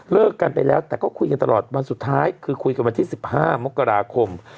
กันไปแล้วแต่ก็คุยกันตลอดวันสุดท้ายคือคุยกันวันที่๑๕มกราคม